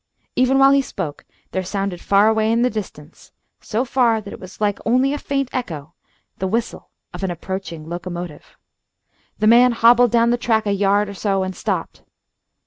Even while he spoke there sounded far away in the distance, so far that it was like only a faint echo, the whistle of an approaching locomotive. The man hobbled down the track a yard or so and stopped.